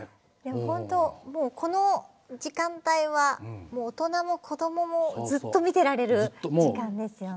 ホントこの時間帯は大人もこどももずっと見てられる時間ですよね。